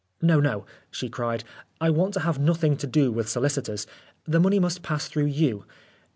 " No, no," she cried. " I want to have nothing to do with solicitors. The money must pass through you.